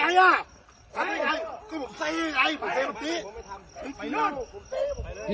พี่รับพันร้ายตำรวจเทศ